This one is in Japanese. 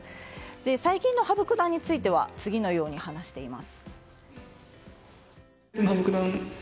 最近の羽生九段については次のように話しています。